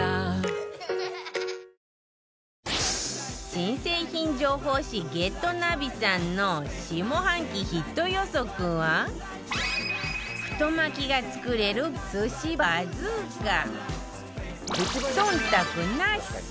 新製品情報誌『ゲットナビ』さんの下半期ヒット予測は太巻きが作れる忖度なし